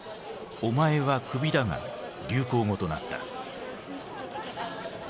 「お前はクビだ！」が流行語となった。